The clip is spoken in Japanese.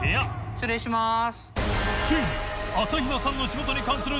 失礼します。